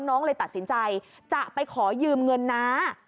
น้องเลยตัดสินใจจะไปขอยืมเงินน้า